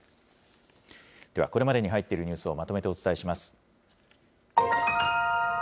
ではこれまでの入っているニュースをまとめてお伝えします。